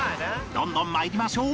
どんどん参りましょう